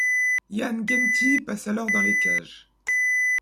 Yann Genty passe alors dans les cages.